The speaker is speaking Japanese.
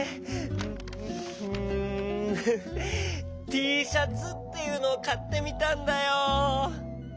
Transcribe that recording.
Ｔシャツっていうのをかってみたんだよ。